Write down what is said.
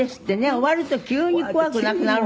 終わると急に怖くなくなる。